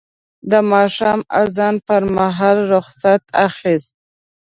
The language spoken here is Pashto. د ماښام اذان پر مهال رخصت اخیست.